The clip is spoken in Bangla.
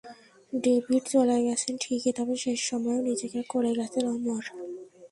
ডেভিড চলে গেছেন ঠিকই, তবে শেষ সময়েও নিজেকে করে গেছেন অমর।